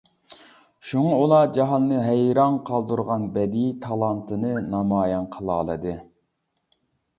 شۇڭا ئۇلار جاھاننى ھەيران قالدۇرغان بەدىئىي تالانتىنى نامايان قىلالىدى.